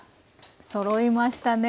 そろいましたね。